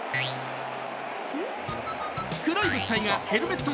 黒い物体がヘルメット